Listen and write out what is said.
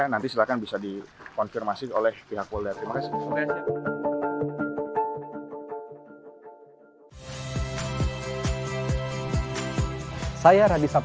nanti silahkan bisa dikonfirmasi oleh pihak polda